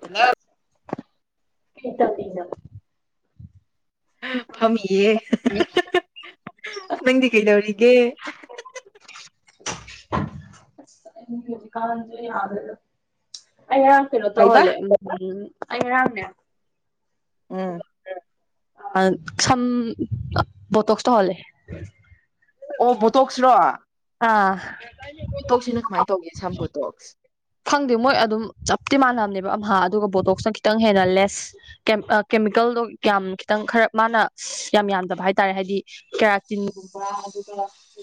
hello ꯀꯩꯗꯧꯔꯤꯅ‌ꯣ ꯐꯝꯃꯤꯌꯦ ꯅꯪꯗꯤ ꯀꯩꯗꯧꯔꯤꯒꯦ ꯑꯩ ꯍꯧꯖꯤꯀꯥꯟꯁ‌ꯦ ꯌꯥꯗ꯭ꯔ‌ꯦꯗ ꯑꯩ ꯉꯔꯥꯡ ꯀꯩꯅꯣ ꯀꯩꯕ ꯇꯧꯍꯜꯂ‌ꯦ ꯎꯝ ꯑꯩ ꯉꯔꯥꯡꯅꯦ ꯎꯝ ꯑ ꯁꯝ ꯑ ꯕ‌ꯣꯇ‌ꯣꯛꯁ ꯇꯧꯍꯜꯂ‌ꯦ ꯑꯣ ꯕꯣꯇꯣꯛꯁꯔꯣ ꯑꯥ ꯇ‌ꯣꯛꯁ ꯁꯤꯅ ꯀꯃꯥꯏ ꯇꯧꯒꯦ ꯁꯝ ꯕꯣꯇꯣꯛꯁ ꯈꯪꯗꯦ ꯃꯣꯏ ꯑꯗꯨꯝ ꯆꯞꯇꯤ ꯃꯥꯟꯅꯕꯅꯦꯕ ꯑꯝꯍꯥ ꯑꯗꯨꯒ ꯕꯣꯇꯣꯛꯁꯅ ꯈꯤꯇꯪ ꯍꯦꯟꯅ ꯂꯦꯁ ꯀ‌ꯦꯝ ꯑꯥ ꯀꯦꯃꯤꯀꯦꯜꯗꯣ ꯌꯥꯝ ꯈꯤꯇꯪ ꯈꯔ ꯃꯥꯅ ꯌꯥꯝ ꯌꯥꯝꯗꯕ ꯍꯥꯏꯇꯥꯔꯦ ꯍꯥꯏꯗꯤ ꯀ‌ꯦꯔꯥꯇꯤꯟꯒꯨꯝꯕ ꯑꯗꯨꯒ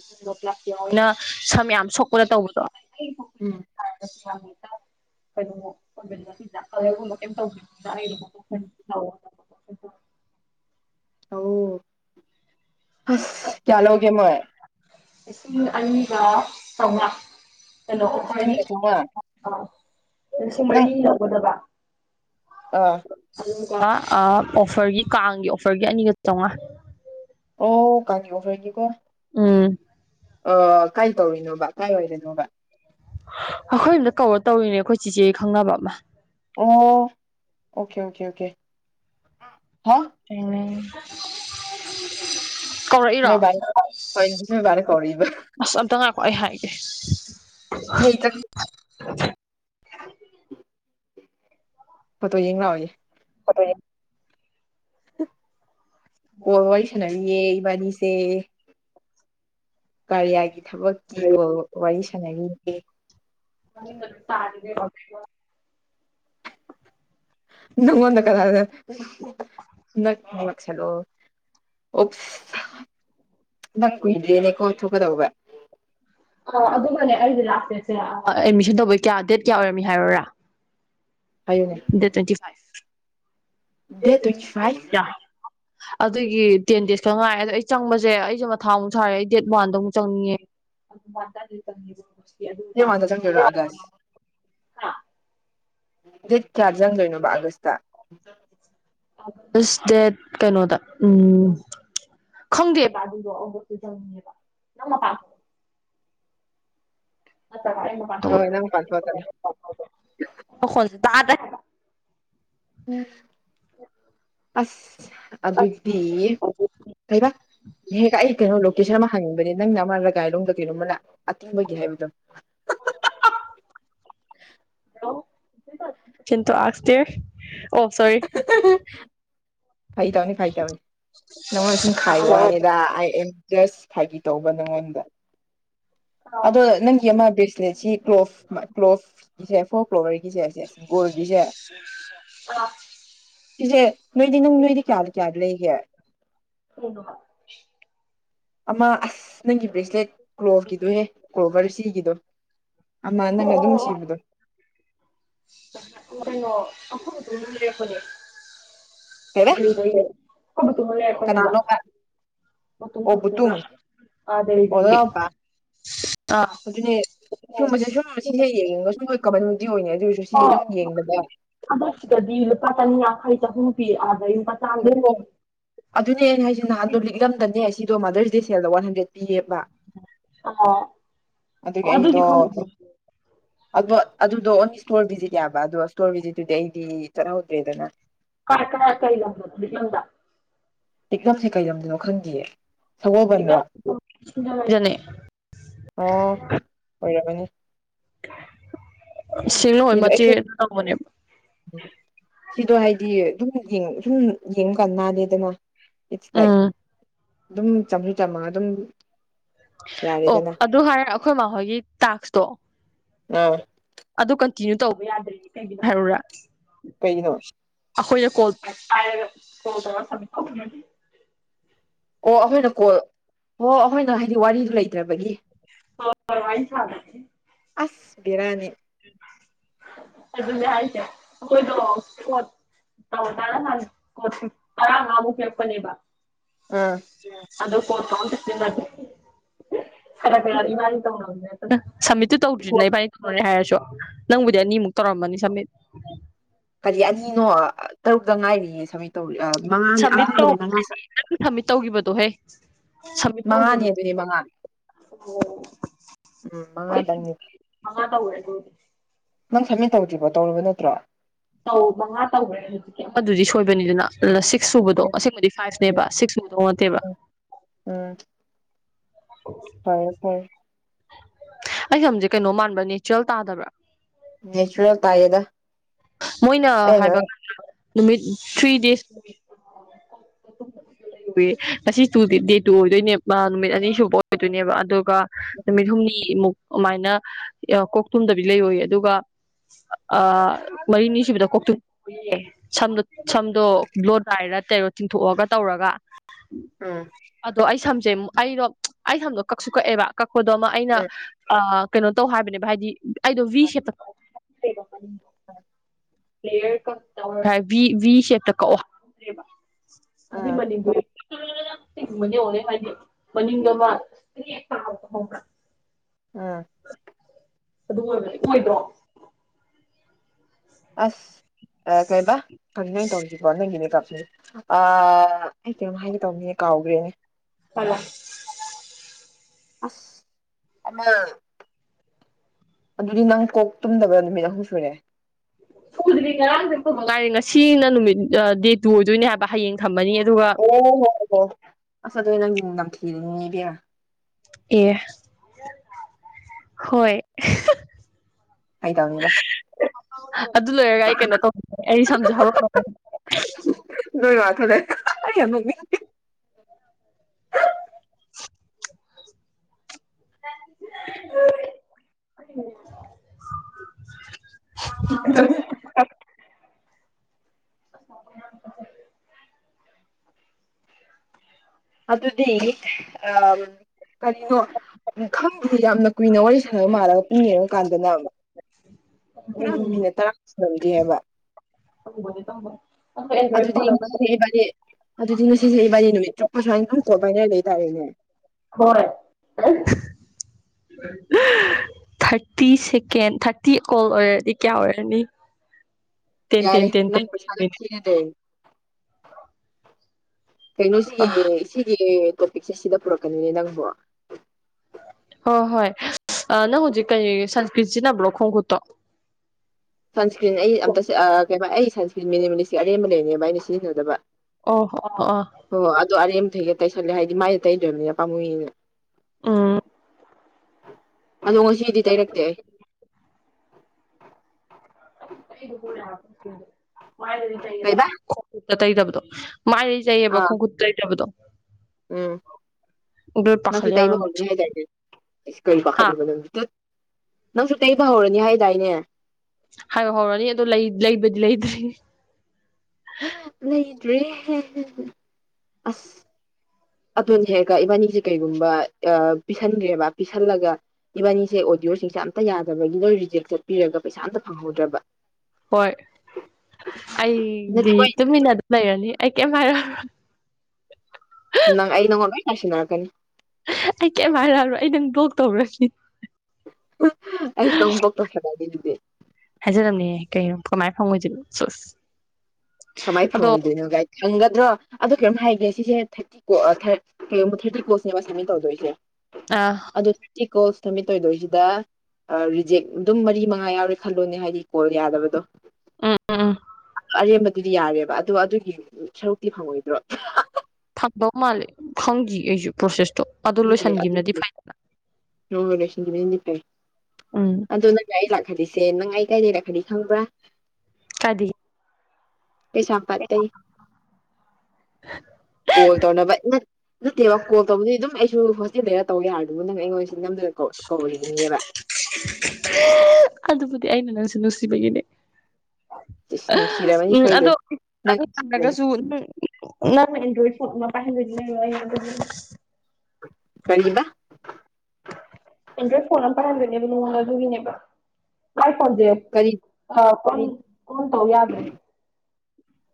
[inaudible] ꯅ ꯁꯝ ꯌꯥꯝ ꯁꯣꯛꯄꯗ ꯇꯧꯕꯗꯣ ꯎꯝ [inaudible] [inaudible] ꯑꯣ ꯍꯁ ꯀꯌꯥ ꯂꯧꯣꯒꯦ ꯃꯣꯣꯏ ꯂꯤꯁꯤꯡ ꯑꯅꯤꯒ ꯆꯥꯝꯃꯉꯥ ꯀꯩꯅꯣ ꯂꯤꯁꯤꯡ ꯑꯩꯈꯣꯏꯒꯤ ꯑꯅꯤꯒ ꯆꯥꯝꯃꯉꯥ ꯑ ꯁꯨꯝꯃꯅꯤ ꯂꯧꯒꯗꯕ ꯑ ꯑꯗꯨꯒ ꯑꯣꯐꯔꯒꯤ ꯀꯥꯡꯒꯤ ꯑꯣꯐꯔꯒꯤ ꯑꯅꯤꯒ ꯆꯥꯝꯃꯉꯥ ꯑꯣ ꯀꯥꯟ ꯑꯣ ꯐꯣꯏꯅꯤ ꯀꯣ ꯎꯝ ꯑ ꯀꯥꯏ ꯇꯧꯔꯤꯅꯣꯕ ꯀꯥꯏ ꯑꯣꯏꯔꯤꯅꯣꯕ ꯑꯩꯈꯣꯏ ꯌꯨꯝꯇ ꯀꯧꯔ ꯇꯧꯔꯤꯅꯦ ꯑꯩꯈꯣꯏ ꯆꯤꯆ‌ꯦ ꯈꯪꯅꯕ ꯑꯃ ꯑꯣ ꯑꯣꯀꯦ ꯑꯣꯀꯦ ꯑꯣꯀꯦ ꯍꯥ ꯎꯝ [unintelligible] ꯀꯧꯔꯛꯏꯔꯣ ꯅꯣꯏ ꯕꯥꯅ ꯍꯣꯏ ꯅꯣꯏ ꯕꯥꯅ ꯀꯧꯔꯛꯏꯕ ꯑꯁ ꯑꯝꯇ ꯉꯥꯏꯈ‌ꯣ ꯑꯩ ꯍꯥꯏꯒꯦ ꯍꯦ ꯆꯠ [inaudible] ꯐ‌ꯣꯇꯣ ꯌꯦꯡ ꯂꯥꯛꯑꯣꯌꯦ ꯀꯣꯜ ꯋꯥꯔꯤ ꯁꯥꯟꯅꯔꯤꯌꯦ ꯏꯕꯥꯅꯤꯁꯦ ꯀꯔꯤꯌꯥꯒꯤ ꯊꯕꯛ ꯀꯤ ꯀꯣ ꯋꯥꯔꯤ ꯁꯥꯟꯅꯈꯤꯒꯦ ꯇꯥꯟ ꯅꯪꯉꯣꯅ ꯀꯔꯗꯦꯂꯣ ꯑꯣꯞ ꯅꯪ ꯀꯨꯏꯗ꯭ꯔꯦꯅꯦ ꯀꯣꯊꯣꯛꯀꯗꯧꯕ ꯑꯣ ꯑꯗꯨꯅꯦ ꯑꯩꯁꯦ ꯂꯥꯁ ꯗꯦꯁꯦ ꯑꯦꯗꯃꯤꯁꯟ ꯇꯧꯕꯩ ꯀꯌꯥ ꯗꯦꯠ ꯀꯌꯥ ꯑꯣꯏꯔꯝꯃꯤ ꯍꯥꯏꯔꯔꯥ ꯍꯥꯏꯌꯅꯦ ꯗ twenty date twenty five five ꯑꯗꯨꯒꯤ ꯇꯦꯟ ꯗꯦꯖ ꯈ ꯉꯥꯏꯔꯦ ꯑꯗꯣ ꯑꯩ ꯆꯪꯕꯁꯦ ꯑꯩꯁꯦ ꯃꯊꯥ ꯑꯃꯨꯛ ꯁꯥꯔꯦ ꯑꯩ ꯗꯦꯠ ꯋꯥꯟꯗ ꯑꯃꯨꯛ ꯆꯪꯅꯤꯡꯉꯦ ꯃꯪꯕ ꯀꯣꯥꯟꯗ ꯆ ꯃꯣ ꯑꯒꯥꯁ ꯠ ꯆꯥꯖꯥꯡ ꯂꯩꯅꯣꯕ ꯑꯒꯁꯇꯥ ꯑꯁꯦ ꯀꯩꯅꯣꯗ ꯎꯝ ꯈꯪꯗꯦꯕ ꯑꯗꯨꯗꯣ ꯑꯕꯁꯨꯗꯪꯅꯦꯦꯕ ꯅꯪ ꯃꯄꯥ ꯑ ꯍꯣꯏ ꯅꯝ ꯄꯊꯣ ꯇꯅ ꯑꯣ ꯍꯣ ꯇ ꯑ ꯑꯁ ꯑꯗꯨ ꯑꯗꯨꯗꯤ ꯍꯥꯏꯩꯔ ꯍꯦꯛ ꯑꯩ ꯀꯩꯅꯣ ꯂꯣꯀꯦꯁꯟ ꯑꯃ ꯍꯪꯅꯤꯡꯕꯅꯦ ꯅꯪꯅ ꯑꯃ ꯔꯒꯥꯏꯔꯣꯝꯗ ꯀꯩꯅꯣꯝꯃꯅ ꯑꯇꯤꯡꯕꯒꯤ ꯍꯥꯏꯕꯗꯣ [inaudible] ꯀꯤꯟ ꯑꯁꯇꯔ ꯑꯣ ꯁꯣꯔꯤ [inaudible] ꯐꯩ ꯇꯧꯅꯤ ꯐꯩ ꯇꯧꯅꯤ ꯅꯪꯉꯣꯟꯗ ꯁꯨꯝ ꯈꯥꯏꯕ ꯋꯥꯅꯤꯗꯦꯝ ꯖꯁ ꯐꯥꯒꯤ ꯇꯧꯕ ꯅꯪꯉꯣꯟꯗ ꯑꯗꯣ ꯅꯪꯒꯤ ꯑꯃ ꯕ꯭ꯔꯦꯁꯂꯦꯠꯁꯤ ꯀ꯭ꯂꯣꯐ ꯀ꯭ꯂꯣꯐ ꯏꯁꯁꯦ ꯐꯣꯔ ꯐ꯭ꯂꯣꯋꯔꯒꯤꯁꯦꯁꯦ ꯒꯣꯜꯒꯤꯁꯦ ꯁꯤ ꯑ ꯁꯤꯁꯦ ꯅꯣꯏꯗꯤ ꯅꯪ ꯅꯣꯏꯗꯤ ꯀꯌꯥꯗꯤ ꯀꯌꯥ ꯂꯩꯒꯦ ꯀꯔꯤꯅꯍ ꯑꯃ ꯑꯁ ꯅꯪꯒꯤ ꯕ꯭ꯔꯦꯁꯂꯦꯠ ꯀ꯭ꯔꯣꯞꯀꯤꯗꯨꯣꯍꯦ ꯀ꯭ꯔꯣꯚꯔ ꯁꯤꯈꯤꯕꯗꯣ ꯑꯃ ꯅꯪ ꯑꯗꯨꯝ ꯁꯤꯕꯗꯣ ꯀꯩꯅꯣ ꯑꯩꯈꯣꯏ ꯑꯗꯨ ꯂꯩꯦ ꯀꯩꯕ ꯑꯩꯈꯣꯏꯅꯦ ꯍꯕ ꯇꯨꯃꯅꯤ ꯍꯥꯏꯀꯅꯤꯕ ꯀꯅꯥꯅꯣꯕ ꯑꯣ ꯄꯨꯠꯇ ꯑꯗꯩꯗꯒꯤ ꯑꯣꯗꯥ ꯄꯥ ꯑꯗꯨꯅꯦ ꯁꯤꯒꯨꯝꯕꯁꯦ ꯁꯨꯝ ꯁꯤꯁꯦ ꯌꯦꯡꯉꯒ ꯁꯨꯝ ꯂꯣꯏ ꯀꯕꯅꯗꯤ [inaudible] ꯑꯣꯏ ꯑꯣꯏꯅ ꯑꯗꯨꯔꯁꯨ ꯁꯤ ꯑꯗꯨꯝ ꯌꯦꯡꯗꯕ ꯑꯃ ꯁꯤꯗꯗꯤ ꯂꯨꯄꯥ ꯆꯥꯅꯤꯌꯥꯡꯈꯩ ꯆꯥꯍꯨꯝ ꯄꯤ ꯑꯗꯩ ꯑꯣ ꯑꯗꯨꯅꯦ ꯑꯩꯅ ꯍꯥꯏꯁꯦ ꯅꯍꯥꯟꯗꯣ ꯂꯤꯛꯂꯝꯗꯅꯦ ꯁꯤꯗꯣ ꯃꯥꯗꯔꯁꯗꯦ ꯁꯦꯜꯗ ꯋꯥꯟ ꯍꯟꯗ꯭ꯔꯦ ꯄꯤꯌꯦꯕ ꯑꯣ ꯑꯗꯨꯒꯤ ꯑꯗꯨꯗꯤ ꯑꯩꯗꯣ ꯈꯪꯗꯦ ꯑꯗꯣ ꯑꯗꯨꯗꯣ ꯑꯣꯟꯂꯤ ꯏꯁꯇꯣꯔ ꯚꯤꯖꯤꯠ ꯅꯦꯕ ꯑꯗꯣ ꯏꯁꯇꯣꯔ ꯚꯤꯖꯤꯠꯇꯨꯗꯤ ꯑꯩꯗꯤ ꯆꯠꯍꯧꯗ꯭ꯔꯦꯗꯅ ꯀꯥꯢ ꯀꯥꯢ ꯀꯥꯢ ꯂꯝꯅꯣ ꯂꯤꯛꯂꯝꯗ ꯂꯤꯛꯂꯝꯁꯦ ꯀꯩ ꯂꯝꯗꯅꯣ ꯈꯪꯗꯦꯌꯦ ꯖꯦ ꯑꯣ ꯑꯣꯏꯔꯝꯃꯅꯤ ꯁꯤꯡꯡꯂꯣꯏ ꯃꯆꯦ ꯇꯧꯕꯅꯦꯕ ꯎ ꯁꯤꯗꯣ ꯍꯥꯏꯗꯤ ꯑꯗꯨꯝ ꯁꯨꯝ ꯌꯦꯡꯀꯥꯟ ꯅꯥꯗꯦꯗꯅ ꯏꯠꯁ ꯂꯥꯏꯛ ꯎꯝ ꯑꯗꯨꯝ ꯆꯝꯁꯨ ꯆꯝꯃ ꯑꯗꯨꯝ ꯑꯣ ꯌꯥꯔꯦꯗꯅ ꯑꯗꯨ ꯍꯥꯏꯔꯦ ꯑꯩꯈꯣꯏ ꯃꯈꯣꯏꯒꯤ ꯇꯥꯛꯁꯇꯣ ꯑꯥ ꯑꯗꯨ ꯀꯟꯇꯤꯅ꯭ꯌꯨ ꯇꯧꯕ ꯌꯥꯗ꯭ꯔꯦ ꯀꯩꯒꯤꯅꯣ ꯍꯥꯏꯔꯨꯔꯥ ꯄꯩꯅꯣ ꯑꯈꯣꯏ ꯌꯥ ꯀꯣꯜ ꯇꯣ ꯑꯣ ꯑꯩꯈꯣꯏꯅ ꯀꯣꯜ ꯑꯣ ꯑꯩꯈꯣꯏꯅ ꯍꯥꯏꯗꯤ ꯋꯥꯔꯤꯗꯨ ꯂꯩꯇ꯭ꯔꯕꯒꯤ ꯐꯋꯥ [inaudible] ꯅꯤ ꯆꯂ ꯑꯁ ꯕꯦꯔꯅꯤ ꯑꯗꯨꯅꯦ ꯍꯥꯏꯁꯦ ꯑꯩꯈꯣꯏꯗꯣ ꯇꯔꯥꯟ ꯇꯔꯥꯡ [inaudible] ꯉꯃꯨꯛ ꯂꯄꯅꯦꯕ ꯑꯥ ꯑꯗꯣ [inaudible] ꯐ ꯇ ꯈꯔꯒꯔꯃ ꯇ ꯑꯗꯨ ꯁꯝꯃꯤꯠꯇꯨ ꯀꯣꯜ ꯇꯧꯗ꯭ꯔꯤꯗꯅ ꯏꯕꯅꯤ ꯊꯅꯔꯦ ꯍꯥꯏꯔꯁꯨ ꯅꯪꯕꯨꯗꯤ ꯑꯅꯤꯃꯨꯛ ꯇꯧꯔꯝꯃꯅꯤ ꯁꯃꯤꯠ ꯀꯔꯤ ꯑꯅꯤꯅꯣ ꯇꯔꯨꯛꯇ ꯉꯥꯏꯔꯤꯌꯦ ꯁꯥꯃꯤꯠ ꯇꯧꯔꯤ ꯃꯉꯥꯅꯤ ꯁꯃꯤꯠ ꯇꯧ ꯑꯍꯥꯟꯕꯗ ꯃꯉꯥ ꯁꯃꯤꯠ ꯇꯧꯈꯤꯕꯗꯣꯍꯦ ꯁꯝꯃꯤꯠ ꯃꯉꯥꯅꯤ ꯇꯧꯈꯤꯕꯗꯣ ꯑꯗꯨꯗꯤ ꯃꯉꯥꯅꯤ ꯑꯣ ꯃꯉꯥꯗꯪꯅꯤ ꯃꯉ ꯀꯕꯨꯔꯦ [inaudible] ꯅꯪ ꯁꯥꯃꯤꯠ ꯇꯧꯗ꯭ꯔꯤꯕꯣ ꯇꯧꯔꯕ ꯅꯠꯇ꯭ꯔꯣ ꯃꯉꯥ ꯇꯧꯒꯔꯦ ꯑꯗꯨꯗꯤ ꯁꯣꯏꯕꯅꯤꯗꯅ ꯁꯤꯛꯁ ꯁꯨꯕꯗꯣ ꯑꯁꯦꯡꯕꯗꯤ ꯐꯥꯏꯚꯅꯦꯕ ꯁꯤꯛꯁ ꯁꯨꯕꯗꯨ ꯅꯠꯇꯦꯕ ꯎꯝ ꯑꯣ ꯐꯔꯦ ꯐꯔꯦ ꯑꯩ ꯁꯝꯁꯦ ꯀꯩꯅꯣ ꯃꯥꯟꯕ ꯅꯦꯆꯔꯦꯜ ꯇꯥꯗꯕ꯭ꯔꯥ ꯅꯦꯆꯨꯔꯦꯜ ꯇꯥꯏꯗ ꯃꯣꯏꯅ ꯍꯥꯏꯕꯒꯥꯟꯗ ꯅꯨꯃꯤꯠ ꯊ꯭ꯔꯤ ꯗꯦꯖ ꯑꯁꯤ ꯇꯨ ꯗꯦ ꯇꯨ ꯑꯣꯏꯗꯣꯏꯅꯦꯕ ꯅꯨꯃꯤꯠ ꯑꯅꯤ ꯁꯨꯕ ꯑꯣꯏꯗꯣꯏꯅꯦꯕ ꯑꯗꯣ ꯀꯥ ꯅꯨꯃꯤꯠ ꯍꯨꯝꯅꯤ ꯃꯨꯛ ꯑꯗꯨꯃꯥꯏꯅ ꯀꯣꯛ ꯇꯨꯝꯗꯕꯤ ꯂꯩꯌꯣꯌꯦ ꯑꯗꯨꯒ ꯑ ꯃꯔꯤ ꯅꯤ ꯁꯨꯕꯗ ꯀꯣꯛ ꯇꯨꯝ ꯁꯝꯗꯣ ꯁꯝꯗꯣ ꯀꯔꯣꯞ ꯂꯥꯛꯢꯔ ꯇꯦꯔꯣꯠ ꯆꯤꯡꯊꯣꯛꯑꯒ ꯇꯧꯔꯒ ꯎꯝ ꯑꯗꯣ ꯑꯩ ꯁꯝꯁꯦ ꯑꯩꯗꯣ ꯑꯩ ꯁꯝꯗꯣ ꯀꯛꯁꯨ ꯀꯛꯑꯦꯕ ꯀꯛꯄꯗꯣ ꯑꯃ ꯑꯩꯅ ꯎꯝ ꯀꯩꯅꯣ ꯇꯧ ꯍꯥꯏꯕꯅꯦꯕ ꯍꯥꯏꯗꯤ ꯑꯩꯗꯣ ꯚꯤ ꯁꯦꯞꯇ ꯑꯥ ꯭ꯂꯦ ꯚ ꯚ ꯁꯦꯠꯇ ꯀꯛꯑꯣ꯭ꯔꯦꯕ ꯑꯗꯨ ꯎꯝ ꯃꯅꯤꯄꯨꯔ [inaudible] ꯤꯡ ꯃꯅꯦ ꯑꯣꯔꯦ ꯃꯅꯤ ꯃꯅꯤꯡꯗ [inaudible] ꯑꯥ ꯑꯗꯨ ꯑꯣꯏꯕꯅꯦ ꯑꯣꯢꯗꯔꯣ ꯑꯁ ꯀꯩꯕ ꯀꯔꯤꯅꯣ ꯑꯩ ꯇꯧꯁꯤꯕꯣ ꯅꯪꯒꯤꯅꯦ ꯀꯞꯁꯦ ꯑ ꯑꯩ ꯀꯩꯅꯣꯝ ꯍꯥꯏꯒꯦ ꯇꯧꯕꯅꯤꯅꯦ ꯀꯥꯎꯈ꯭ꯔꯦꯅꯦ ꯐꯂ [inaudible] ꯑꯁ ꯑꯃ ꯑꯗꯨꯗꯤ ꯅꯪ ꯀꯣꯛ ꯇꯨꯝꯗꯕ ꯅꯨꯃꯤꯠ ꯑꯍꯨꯝ ꯁꯨꯔꯦ [unintelligible] ꯉꯁꯤꯅ ꯅꯨꯃꯤꯠ ꯗꯦ ꯇꯨ ꯑꯣꯏꯗꯣꯏꯅꯦ ꯍꯥꯏꯕ ꯍꯌꯦꯡ ꯊꯝꯃꯅꯤ ꯑꯗꯨꯒ ꯑꯣ ꯍꯣ ꯍꯣ ꯑꯁ ꯑꯗꯨ ꯅꯪ ꯅꯝꯊꯤꯕꯅꯤꯅꯦ ꯏꯕꯦꯝꯃ ꯑꯦ ꯍꯣꯏ ꯐꯥꯒꯤ ꯇꯧꯅꯤꯗ ꯑꯗꯨ ꯂꯣꯏꯔꯒ ꯑꯩ ꯀꯩꯅꯣ ꯇꯧꯅꯤꯡ ꯑꯩ ꯁꯝꯁꯦ ꯍꯧꯔꯛ ꯂꯣꯏꯔꯊꯔ ꯑꯩ ꯌꯥꯝ [inaudible] [inaudible] ꯍ [inaudible] ꯅ꯭ꯔ [inaudible] ꯅꯣꯛꯅꯤꯡꯉꯦ ꯑꯗꯨꯗꯤ ꯑ ꯀꯔꯤꯅꯣ ꯈꯪꯗꯦ ꯌꯥꯝꯅ ꯀꯨꯏꯅ ꯋꯥꯔꯤ ꯁꯥꯟꯅꯕ ꯃꯥꯜꯂꯒ ꯄꯨꯡ ꯌꯦꯡꯉꯀꯥꯟꯗꯅ ꯄꯨꯔꯥ ꯎꯝ ꯃꯤꯅꯠ ꯇꯔꯥ ꯁꯨꯔꯝꯗꯦꯕ ꯍꯕꯣꯅꯦꯦ ꯇꯃꯣ [inaudible] ꯑꯗꯨꯗꯤ ꯉꯁꯤꯁꯦ ꯏꯕꯥꯅꯤ ꯑꯗꯨꯗꯤ ꯉꯁꯤꯁꯦ ꯏꯕꯥꯅꯤ ꯅꯨꯃꯤꯠ ꯆꯨꯞꯄ ꯁꯨꯃꯥꯏꯅ ꯀꯣꯜ ꯄꯥꯢꯅꯔꯒ ꯂꯩꯇꯥꯔꯦꯅꯦ ꯍꯣꯏ ꯍꯥ [inaudible] ꯊꯥꯔꯇꯤ ꯁꯦꯀꯦꯟ ꯊꯥꯔꯇꯤ ꯀꯣꯜ ꯑꯣꯏꯔꯗꯤ ꯀꯌꯥ ꯑꯣꯏꯔꯅꯤ ꯇꯦꯟ ꯇꯦꯟ ꯇꯦꯟ ꯇꯦꯟ ꯀꯩꯅꯣꯁꯤ ꯑ ꯁꯤꯒꯤ ꯇꯣꯄꯤꯛꯁꯦ ꯁꯤꯗ ꯄꯨꯔꯛꯀꯅꯤꯅꯦ ꯅꯪꯕꯣ ꯍꯣ ꯍꯣꯏ ꯅꯪ ꯍꯧꯖꯤꯛ ꯀꯩ ꯁꯥꯟ ꯢꯀꯤꯟ ꯁꯤꯖꯤꯟꯅꯕ꯭ꯔꯣ ꯈꯣꯡ ꯀꯨꯠꯇꯣ ꯁꯥꯟꯁꯀ꯭ꯔꯤꯟ ꯑꯩ ꯑꯝꯇ ꯀꯩꯕ ꯑꯩ ꯁꯟꯁꯀ꯭ꯔꯤꯟ ꯃꯤꯅꯤꯃꯤꯠ ꯂꯤꯁ ꯑꯔꯦꯝꯕ ꯂꯩꯅꯦꯕ ꯑꯩꯅ ꯁꯤꯖꯤꯟꯅꯗꯕ ꯑꯣ ꯑꯣ ꯑꯣ ꯍꯣ ꯑꯗꯨꯣ ꯑꯔꯦꯝꯇꯩ ꯇꯩꯁꯜꯂꯦ ꯍꯥꯏꯗꯤ ꯃꯥꯏꯗ ꯇꯩꯗꯔꯕꯅꯤꯅꯦ ꯄꯥꯃꯨꯢꯅ ꯑꯝ ꯑꯗꯣ ꯉꯁꯤꯗꯤ ꯇꯩꯔꯛꯇꯦ ꯑꯩ ꯀꯩꯕ ꯈꯣꯡ ꯈꯨꯠꯇ ꯇꯩꯗꯕꯗꯣ ꯂꯩꯌꯦꯕ ꯑꯥ ꯈꯣꯡ ꯈꯨꯠ ꯇꯩꯅꯕꯗꯣ ꯎꯝ ꯅꯪꯁꯨ ꯇꯩꯕ ꯌꯥꯝꯅ ꯉꯧꯅꯤ ꯍꯥꯏꯗꯥꯏꯅꯦ ꯀꯔꯤ ꯍꯥ ꯄꯥꯈꯠꯂꯤꯕꯣ ꯅꯪ ꯅꯪꯁꯨ ꯇꯩꯕ ꯍꯧꯔꯅꯤ ꯍꯥꯏꯗꯥꯏꯅꯦ ꯍꯥꯏ ꯍꯧꯔꯅꯤ ꯑꯗꯣ ꯂꯩꯕꯗꯤ ꯂꯩꯗ꯭ꯔꯤ ꯂꯩꯗ꯭ꯔꯤ ꯑꯁ ꯑꯗꯨꯅ ꯍꯦꯛꯔꯒ ꯏꯕꯥꯅꯤꯁꯦ ꯀꯩꯒꯨꯝꯕ ꯄꯤꯁꯟꯈ꯭ꯔꯦꯕ ꯄꯤꯁꯜꯂꯒ ꯏꯕꯥꯅꯤꯁꯦ ꯑꯣꯗꯤꯑꯣꯁꯤꯡꯁꯦ ꯑꯝꯇ ꯌꯥꯗꯕꯒꯤ ꯂꯣꯏ ꯔꯤꯖꯦꯛ ꯆꯠꯄꯤꯔꯒ ꯄꯩꯁꯥ ꯑꯝꯇ ꯐꯪꯍꯧꯗ꯭ꯔꯕ ꯍꯣꯏ ꯅꯠꯇꯦ ꯑꯩꯗꯤ ꯃꯣꯏ ꯇꯨꯃꯤꯟꯅ ꯑꯗꯨ ꯂꯩꯔꯅꯤ ꯑꯩ ꯀꯩꯝ ꯍꯥꯏꯔꯣꯢ ꯅꯪ ꯑꯩ ꯅꯪꯉꯣꯟꯗ ꯂꯣꯏ ꯇꯥꯢꯁꯤꯟꯅꯔꯛꯀꯅꯤ ꯑꯩ ꯀꯩꯝ ꯍꯥꯏꯔꯂꯣ ꯑꯩ ꯅꯪ ꯕ꯭ꯂꯣꯛ ꯇꯧꯔꯅꯤ ꯑꯩꯁꯨ ꯅꯪ ꯄꯔꯣꯛ ꯇꯧꯁꯤꯟꯂꯅꯤ ꯑꯗꯨꯗꯤ ꯍꯥꯏꯖꯤꯟꯅꯕꯅꯦ ꯀꯩꯅꯣ ꯀꯃꯥꯏꯅ ꯐꯪꯉꯣꯏꯗꯨꯢꯅꯣ ꯁꯤꯁ ꯀꯃꯥꯏꯅ ꯐꯪꯉꯣꯏꯗꯣꯏꯅꯣ ꯀꯥꯏ ꯐꯪꯒꯗ꯭ꯔꯣ ꯑꯗꯣ ꯀꯔꯤꯝ ꯍꯥꯏꯒꯦ ꯁꯤꯁꯦ ꯊꯥꯔꯇꯤ ꯀꯣꯜ ꯀꯔꯤꯒꯨꯝꯕꯥ ꯊꯥꯔꯇꯤ ꯀꯣꯜꯅꯦꯕꯥ ꯁꯥꯞꯃꯤꯠ ꯇꯧꯗꯨꯏꯁꯦ ꯑꯥ ꯑꯗꯨ ꯏꯀꯣꯜꯁ ꯁꯃꯤꯠꯇ ꯇꯧꯗꯣꯏꯁꯤꯗ ꯑꯥ ꯔꯤꯖꯦꯛ ꯑꯗꯨꯝ ꯃꯔꯤ ꯃꯉꯥ ꯌꯥꯎꯔꯦ ꯈꯜꯂꯣꯅꯦ ꯍꯥꯏꯗꯤ ꯀꯣꯜ ꯌꯥꯗꯕꯗꯣ ꯎꯝ ꯎꯝ ꯎꯝ ꯑꯔꯦꯝꯕꯗꯨꯗꯤ ꯌꯥꯔꯦꯕ ꯑꯗꯣ ꯑꯗꯨꯒꯤ ꯁꯔꯨꯛꯇꯤ ꯐꯪꯉꯣꯏꯗ꯭ꯔꯣ ꯊꯝꯕꯥ ꯃꯥꯜꯂꯦ ꯈꯪꯗ‌ꯦ ꯑꯩꯁꯨ ꯄ꯭ꯔꯣꯁꯦꯁꯇꯣ ꯑꯗꯨ ꯈꯪꯗ‌ꯦ ꯂꯣꯏꯁꯤꯟꯈꯤꯕꯅꯗꯤ ꯑꯗꯨꯗ‌ꯣ ꯐꯩꯗꯅ ꯅ‌ꯣ ꯔꯤꯂ‌ꯦꯁꯟꯗꯨꯟꯗꯤ ꯐꯩ ꯎꯝ ꯑꯗꯣ ꯅꯪꯅ ꯑꯩ ꯂꯥꯛꯍꯜꯂꯤꯁꯦ ꯅꯪ ꯑꯩ ꯀꯥꯏꯗꯩ ꯂꯥꯛꯍꯜꯂꯤ ꯈꯪꯕ꯭ꯔꯥ ꯀꯥꯗꯤ ꯀꯩꯁꯥꯝꯄꯥꯠꯇꯩ ꯀꯣꯜ ꯇꯧꯅꯕ ꯅꯠꯇꯦꯕ ꯀꯣꯜ ꯇꯧꯕꯗꯤ ꯑꯗꯨꯝ ꯑꯩꯁꯨ ꯁꯤꯗꯔ [inaudible] ꯇꯧ ꯌꯥꯔꯗꯨꯕꯨ ꯅꯪ ꯑꯩꯉꯣꯟꯁꯤ ꯅꯝꯗꯨꯅ ꯀꯧꯗꯨꯅꯦꯕ ꯑꯗꯨꯕꯨꯗꯤ ꯑꯩꯅ ꯅꯪꯁꯦ ꯅꯨꯡꯁꯤꯕꯒꯤꯅꯦ ꯏꯁ ꯅꯨꯡꯁꯤꯔꯕꯅꯤ ꯎꯝ ꯁꯣꯏꯗ꯭ꯔꯦ ꯑꯗꯣ ꯅꯪ ꯑꯗꯨ ꯐꯪꯗ꯭ꯔꯒꯁꯨ ꯅꯪ ꯑꯦꯟꯗ꯭ꯔꯣꯠ ꯐꯣꯟ ꯑꯃ ꯄꯥꯏꯍꯟꯗꯣꯏꯅꯤ ꯀꯩꯅꯣ ꯑꯩꯅ ꯑꯗꯨꯒꯤꯅꯤ ꯀꯔꯤꯕ ꯑꯦꯟꯗ꯭ꯔꯣꯠ ꯐꯣꯟ ꯑꯃ ꯄꯥꯏꯍꯟꯗꯣꯏꯅꯦꯕ ꯃꯉꯣꯡꯗ ꯑꯗꯨꯒꯤꯅꯦꯕ ꯃꯥꯏ ꯐꯣꯟꯖꯦ ꯀꯔꯤ ꯀꯣꯟ ꯇꯧ ꯌꯥꯗ꯭ꯔꯦ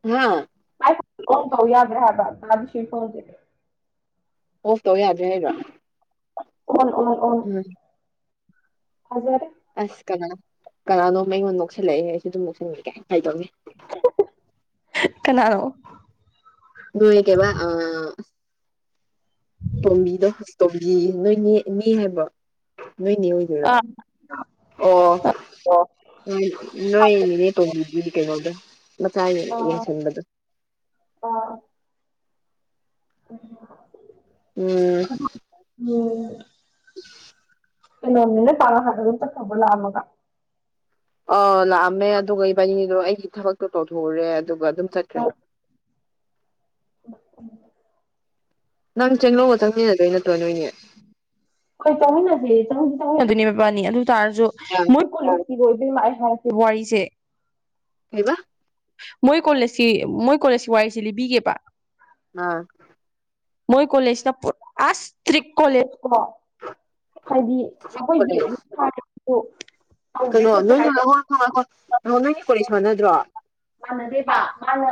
ꯍꯥ ꯥꯏꯣꯟꯣꯟ [inaudible] ꯇꯧ ꯌꯥꯗ꯭ꯔꯦ ꯍꯥꯏꯕ ꯃꯥꯗꯤ ꯁꯤ ꯐꯣꯟꯁꯦ ꯀꯣꯜ ꯇꯧ ꯌꯥꯗꯔꯦ ꯍꯥꯢꯕꯥ ꯑꯣ ꯑꯣꯟ ꯑꯣ ꯐꯖꯔꯦ [inaudible] ꯑꯁ ꯀꯅꯥ ꯀꯅꯥꯅꯣꯝ ꯑꯩꯉꯣꯟꯗ ꯅꯣꯛꯁꯤꯜꯂꯛꯑꯦ ꯑꯩꯁꯨ ꯑꯗꯨꯝ ꯅꯣꯛꯁꯤꯟꯂꯦ ꯐꯒꯤ ꯇꯧꯅꯤ ꯀꯅꯥꯅꯣ ꯅꯣꯏꯒꯤ ꯀꯩꯕ ꯑꯥ ꯇꯣꯝꯕꯤꯗꯣ ꯍꯧꯖꯤꯛ ꯇꯣꯝꯕꯤ ꯅꯣꯏꯅꯦ ꯅꯦ ꯍꯥꯏꯕ꯭ꯔꯣ ꯅꯣꯏꯅꯦ ꯑꯥ ꯑꯣ ꯅꯣꯏ ꯅꯣꯏ ꯅꯦꯅꯦ ꯇꯣꯟꯕꯤꯒꯤ ꯀꯩꯅꯣꯗꯣ ꯃꯆꯥꯒꯤ ꯌꯦꯡꯁꯤꯟꯕꯗꯣ ꯑꯣ ꯎꯝ [inaudible] ꯎꯝ [unintelligible] ꯀꯩꯅꯣꯅꯦ ꯅꯣꯏ ꯄꯥ ꯅꯍꯥꯟ ꯑꯗꯨꯝ ꯆꯠꯈ꯭ꯔꯕꯣ ꯂꯥꯛꯑꯝꯃꯒ ꯑ ꯂꯥꯛꯑꯝꯃꯦ ꯑꯗꯨꯒ ꯏꯕꯥꯅꯤꯗꯣ ꯑꯩꯒꯤ ꯊꯕꯛꯇꯣ ꯇꯧꯊꯣꯛꯎꯨꯔꯦ ꯑꯗꯨꯒ ꯑꯗꯨꯝ ꯆꯠꯈ꯭ꯔꯦ ꯎ ꯎꯝ [inaudible] ꯅꯪ ꯆꯥꯅꯨꯒ ꯆꯪꯃꯤꯟꯅꯗꯣꯏ ꯅꯠꯇ꯭ꯔꯣ ꯅꯣꯏꯅꯤ ꯍꯣꯏ ꯆꯪꯃꯤꯟꯅꯖꯦ ꯆꯪꯗꯤ ꯆꯪꯃꯤꯟꯅꯗꯣꯏꯅꯦ ꯢꯕꯥꯅꯤ ꯑꯗꯨ ꯇꯥꯔꯁꯨ ꯃꯣꯏ ꯀꯨꯂꯥꯞ ꯀꯤꯗꯣ ꯏꯕꯦꯝꯃ ꯑꯩ ꯍꯥꯏꯔꯛꯀꯦꯕ ꯋꯥꯔꯤꯁꯦ ꯀꯩꯕꯥ ꯃꯣꯏ ꯀꯣꯂꯦꯖꯀꯤ ꯃꯣꯏ ꯀꯣꯂꯦꯖꯀꯤ ꯋꯥꯔꯤꯁꯤ ꯂꯤꯕꯤꯒꯦꯕ ꯑꯥ ꯃꯣꯏ ꯀꯣꯂꯦꯖꯇ ꯄꯨꯔꯥ ꯁꯇ꯭ꯔꯤꯛ ꯀꯣꯂꯦꯖ ꯀꯣ ꯍꯥꯏꯗꯤ ꯑꯩꯈꯣꯏꯒꯤ ꯑꯦꯃꯤꯀꯔꯥꯠ ꯗꯨ ꯀꯩꯅꯣ ꯅꯣꯏ ꯂꯧꯑꯣꯏ [inaudible] ꯉꯥꯏꯈꯣ ꯉꯥꯏꯈꯣ ꯉꯥꯏꯈꯣ ꯅꯣꯏ ꯑꯅꯤ ꯀꯣꯂꯦꯖ ꯃꯥꯟꯅꯗ꯭ꯔꯣ ꯑꯣ ꯃꯥꯟꯅꯗꯦꯕ ꯃꯥꯅ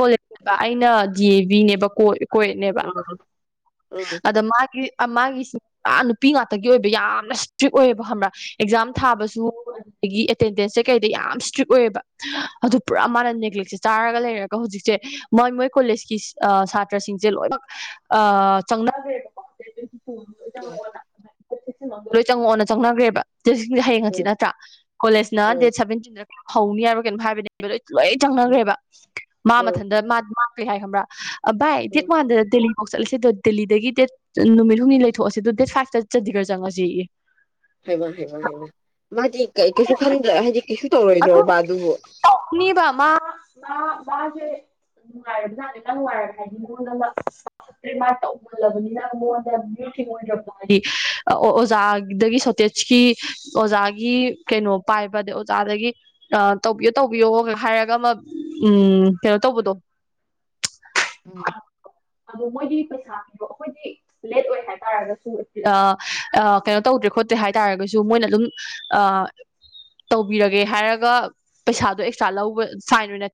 ꯀꯣꯂꯦꯖꯅꯦꯕ ꯑꯩꯅ ꯗꯤ ꯑꯦꯕꯤꯅꯦꯕ ꯀꯣꯏ ꯀꯣꯏꯠꯅꯦꯕ ꯑꯥ ꯎꯝ ꯑꯗ ꯃꯥꯒꯤ ꯃꯥꯒꯤꯁꯨ ꯅꯨꯄꯤ ꯉꯥꯛꯇꯒꯤ ꯑꯣꯏꯕ ꯌꯥꯝꯅ ꯏꯁꯇ꯭ꯔꯤꯛ ꯑꯣꯏꯌꯦꯕ ꯈꯪꯕ꯭ꯔꯥ ꯑꯦꯛꯖꯥꯝ ꯊꯥꯕꯁꯨ ꯑꯗꯒꯤ ꯑꯦꯇꯦꯟꯗꯦꯟ ꯆꯦꯛ ꯀꯩꯗ ꯌꯥꯝ ꯏꯁꯇ꯭ꯔꯤꯛ ꯑꯣꯏꯑꯕ ꯑꯗꯨ ꯄꯨꯔꯥ ꯃꯥꯅ ꯅꯦꯒ꯭ꯂꯦꯛꯁꯦ ꯆꯥꯔꯒ ꯂꯩꯔꯒ ꯍꯧꯖꯤꯛꯁꯦ ꯃꯣꯏ ꯃꯣꯏ ꯀꯣꯂꯦꯖꯀꯤ ꯁꯥꯇ꯭ꯔꯁꯤꯡꯁꯦ ꯂꯣꯏꯅꯃꯛ ꯆꯪꯅꯒ꯭ꯔꯦꯕ ꯀꯣ ꯑꯩꯗꯤ ꯄꯣꯝꯗꯣꯏ ꯅꯦ ꯎꯝ ꯂꯣꯏ ꯆꯪꯉꯛꯑꯣꯅ ꯆꯪꯅꯒ꯭ꯔꯦꯕ ꯗꯦꯠ ꯁꯤꯛꯇꯤꯟꯁꯦ ꯍꯌꯦꯡ ꯍꯥꯡꯆꯤꯠ ꯅꯠꯇ꯭ꯔꯥ ꯀꯣꯂꯦꯖꯅ ꯗꯦꯠ ꯎꯝ ꯁꯚꯦꯟꯇꯤꯟꯗ ꯍꯧꯅꯤ ꯍꯥꯏꯕ꯭ꯔꯥ ꯀꯩꯅꯣꯝ ꯍꯥꯏꯕꯅꯦꯕ ꯂꯣꯏ ꯂꯣꯏ ꯎꯝ ꯆꯪꯅꯒ꯭ꯔꯦꯕ ꯃꯥ ꯎꯝ ꯃꯊꯟꯗ ꯃꯥ ꯃꯥ ꯀꯩ ꯍꯥꯏ ꯈꯪꯕ꯭ꯔꯥ ꯚꯥꯏ ꯎꯝ ꯗꯦꯠ ꯋꯥꯟꯗ ꯗꯦ ꯑꯣ ꯆꯠꯂꯁꯤꯗ ꯗꯦꯜꯂꯤꯗꯒꯤ ꯗꯦꯠ ꯅꯨꯃꯤꯠ ꯍꯨꯝꯅꯤ ꯂꯩꯊꯣꯛꯑꯁꯤ ꯑꯗꯨ ꯗꯦꯠ ꯐꯥꯏꯚꯇ ꯆꯠꯗꯤꯒꯔ ꯆꯪꯉꯁꯦꯌꯦ ꯍꯥꯏꯃ ꯍꯥꯏꯃ ꯍꯥꯏꯃ ꯃꯥꯗꯤ ꯀꯩꯁꯨ ꯈꯟ꯭ꯗꯔ ꯍꯥꯏꯗꯤ ꯀꯩꯁꯨ ꯇꯧꯔꯣꯏꯗ꯭ꯔꯣꯕ ꯑꯗꯨꯕꯨ ꯃꯤ ꯕꯃꯥ ꯃꯥ ꯖꯥꯁꯦ [inaudible] ꯉꯥꯏꯔꯝ ꯖꯥꯠꯅꯦ ꯅꯪ ꯉꯥꯏꯅꯨ ꯍꯥꯏꯔꯗꯤ ꯃꯤꯉꯣꯟꯗ ꯃꯥ ꯇꯧꯍꯜꯂꯕꯅꯤꯅ ꯃꯤꯉꯣꯟ ꯗ ꯌꯥꯝ ꯌꯦꯠꯄꯣ [inaudible] ꯍꯥꯏꯗꯤ ꯑꯣꯖꯥꯗꯒꯤ ꯁꯣꯇꯦꯖꯀꯤ ꯑꯣꯖꯥꯒꯤ ꯀꯩꯅꯣ ꯄꯥꯏꯕ ꯑꯗꯩ ꯑꯣꯖꯥꯗꯒꯤ ꯇꯧꯕꯤꯌꯣ ꯇꯧꯕꯤꯌꯣ ꯍꯥꯏꯔꯒ ꯑꯃ ꯎꯝ ꯀꯩꯅꯣ ꯇꯧꯕꯗꯣ ꯎꯝ ꯑꯗꯨ ꯃꯣꯏꯒꯤ ꯄꯩꯁꯥ ꯄꯤꯕꯥ ꯑꯩꯈꯣꯏꯗꯤ ꯂꯦꯠ ꯑꯣꯏ ꯍꯥꯏ ꯇꯔꯒꯁꯨ ꯑꯥ ꯑꯥ ꯀꯩꯅꯣ ꯇꯧꯗ꯭ꯔꯦ ꯈꯣꯠꯇ꯭ꯔꯦ ꯍꯥꯏ ꯇꯥꯔꯒꯁꯨ ꯃꯣꯏꯅ ꯑꯗꯨꯝ ꯑꯥ ꯇꯧꯕꯤꯔꯒꯦ ꯍꯥꯏꯔꯒ ꯄꯩꯁꯥꯗꯣ ꯑꯦꯛꯁꯇ꯭ꯔꯥ ꯂꯧꯕ ꯐꯥꯏꯟ ꯑꯣꯏꯅ